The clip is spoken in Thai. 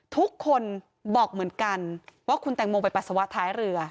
ทุกคนบอกเหมือนกันว่าคุณแตงโมไปปัสสาวะท้ายเรือ